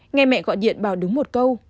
nghe mẹ gọi điện bảo đứng một câu